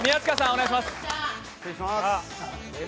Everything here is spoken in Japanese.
お願いします。